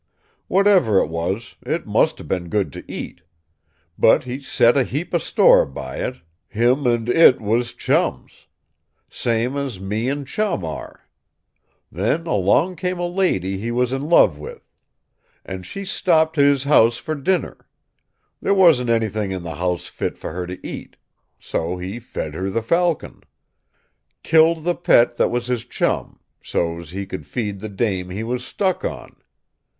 Whatever it was, it must'a been good to eat. But he set a heap of store by it. Him and it was chums. Same as me and Chum are. Then along come a lady he was in love with. And she stopped to his house for dinner. There wasn't anything in the house fit for her to eat. So he fed her the falcon. Killed the pet that was his chum, so's he could feed the dame he was stuck on.